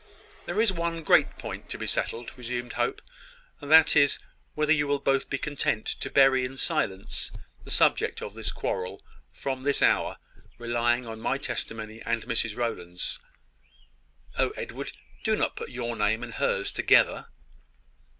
"There is one great point to be settled," resumed Hope: "and that is, whether you will both be content to bury in silence the subject of this quarrel, from this hour, relying upon my testimony and Mrs Rowland's." "Oh, Edward, do not put your name and hers together!"